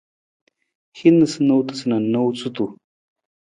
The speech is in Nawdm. Hin niisaniisatu na noosutu.